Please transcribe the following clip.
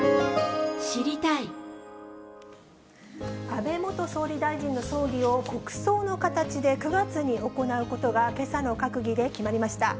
安倍元総理大臣の葬儀を国葬の形で９月に行うことが、けさの閣議で決まりました。